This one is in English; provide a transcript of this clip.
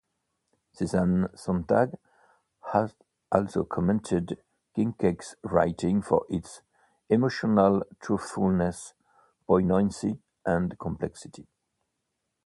Susan Sontag has also commended Kincaid's writing for its "emotional truthfulness," poignancy, and complexity.